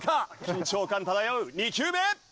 緊張感漂う２球目！